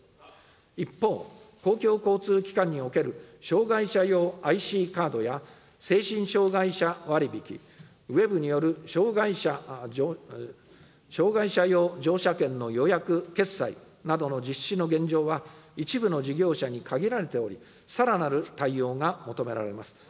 一方、公共交通機関における、障害者用ＩＣカードや、精神障害者割引、ウェブによる障害者用乗車券の予約・決済などの実施の現状は、一部の事業者に限られており、さらなる対応が求められます。